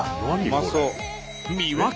うまそう。